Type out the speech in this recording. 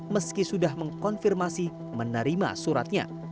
meski sudah mengkonfirmasi menerima suratnya